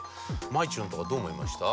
まいちゅんとかどう思いました？